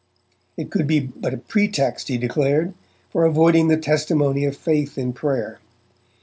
It could but be a pretext, he declared, for avoiding the testimony of faith in prayer.